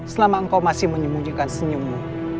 selama engkau masih menyembunyikan senyummu